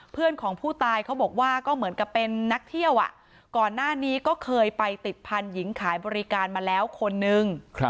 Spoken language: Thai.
เพื่อนของผู้ตายเขาบอกว่าก็เหมือนกับเป็นนักเที่ยวก่อนหน้านี้ก็เคยไปติดพันธุ์หญิงขายบริการมาแล้วคนนึง